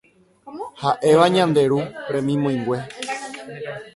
ha'éva Ñande Ru remimoĩngue